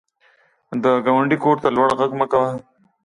د ګاونډي کور ته لوړ غږ مه کوه